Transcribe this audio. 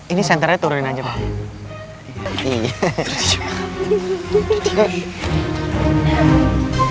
ini senternya turunin aja pak